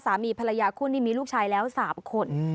สามีภรรยาคู่นี้มีลูกชายแล้ว๓คน